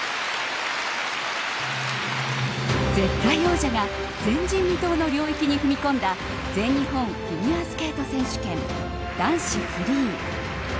絶対王者が前人未踏の領域に踏み込んだ全日本フィギュアスケート選手権男子フリー。